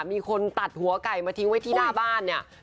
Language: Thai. มีคนตัดหัวไก่มาทิ้งไว้ที่หน้าบ้านเนี่ย